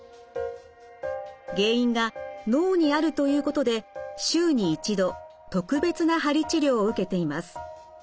原因が脳にあるということで週に１度特別な鍼治療を受けています。